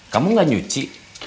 kamu gak nyuci